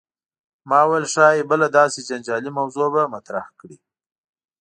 ما ویل ښايي بله داسې جنجالي موضوع به مطرح کړې.